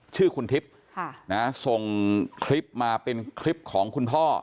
ชื่อคุณทิพย์ส่งคลิปมาเป็นคลิปของคุณพ่อ